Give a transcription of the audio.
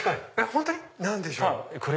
本当に⁉何でしょう？